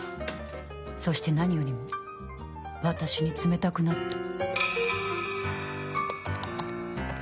そして何よりも私に冷たくなった。